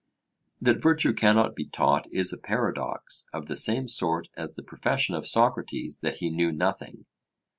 That virtue cannot be taught is a paradox of the same sort as the profession of Socrates that he knew nothing.